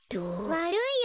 わるいよ